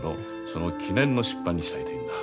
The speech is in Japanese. その記念の出版にしたいというんだ。